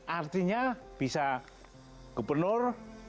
artinya bisa gubernur